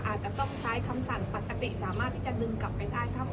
อาจจะต้องใช้คำสั่งปกติสามารถที่จะดึงกลับไปได้